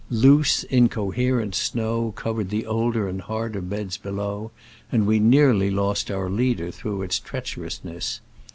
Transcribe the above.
Loose, incoherent snow covered the older and harder beds below, and we nearly lost our leader through its treacherousness.